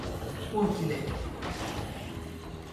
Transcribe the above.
ห้วงกิเลส